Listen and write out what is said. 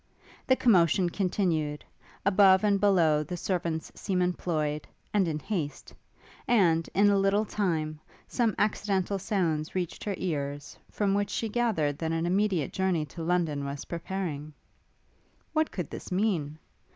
The commotion continued; above and below the servants seemed employed, and in haste; and, in a little time, some accidental sounds reached her ears, from which she gathered that an immediate journey to London was preparing. What could this mean?